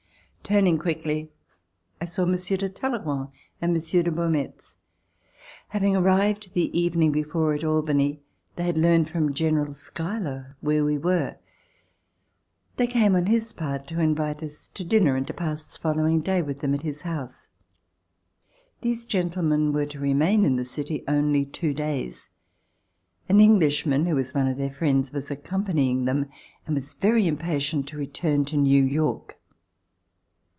Turning quickly, I saw Monsieur de Talleyrand and Monsieur de Beaumetz. Having arrived the evening before at Albany, they had learned from General Schuyler where we were. They came on his part to invite us to dinner and to pass the following day with them at his house. These [ 200 ] THE FARM NEAR ALBANY gentlemen were to remain in the city only two days. An Englishman who was one of their friends was ac companying them and was very impatient to return to New York.